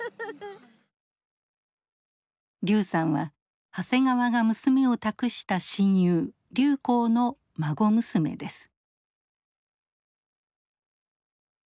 劉さんは長谷川が娘を託した親友劉好の孫娘です。